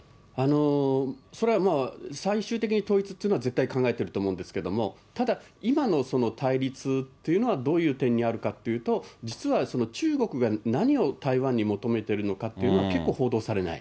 それは最終的に統一というのは絶対考えていると思うんですけれども、ただ、今のその対立というのは、どういう点にあるかというと、実は中国が何を台湾に求めているのかというのは結構報道されない。